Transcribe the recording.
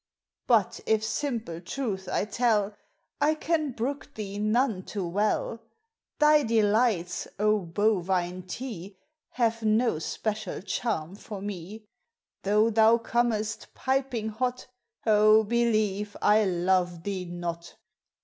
But if simple truth I tell I can brook thee none too well; Thy delights, O Bovine Tea, Have no special charm for me! Though thou comest piping hot, Oh, believe I love thee not!